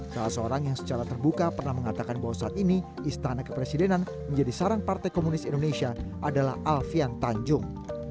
salah seorang yang secara terbuka pernah mengatakan bahwa saat ini istana kepresidenan menjadi saran partai komunis indonesia adalah alfian tanjung